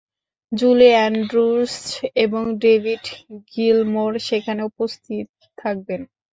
Julie Andrews এবং David Gilmour সেখানে উপস্থিত থাকবেন।